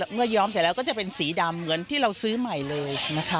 ย้อมเสร็จแล้วก็จะเป็นสีดำเหมือนที่เราซื้อใหม่เลยนะคะ